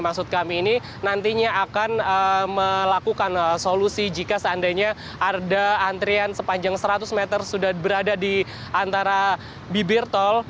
maksud kami ini nantinya akan melakukan solusi jika seandainya ada antrian sepanjang seratus meter sudah berada di antara bibir tol